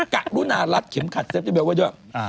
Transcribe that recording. กะรุนารัดเข็มขัดเซฟตี้เบลไว้ด้วย